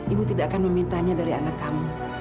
ibu tidak akan memintanya dari anak kamu